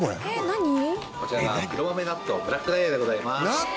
こちらが黒豆納豆ブラックダイヤでございます。